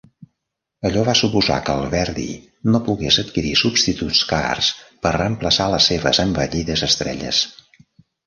Allò va suposar que el Verdy no pogués adquirir substituts cars per reemplaçar les seves envellides estrelles.